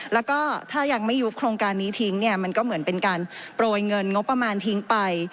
แล้วก็ถ้ายังไม่ยุบโครงการนี้ทิ้งเนี่ยมันก็เหมือนเป็นการโปรยเงินงบประมาณทิ้งไป